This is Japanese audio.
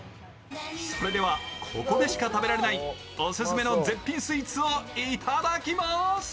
それでは、ここでしか食べられないオススメの絶品スイーツを頂きます。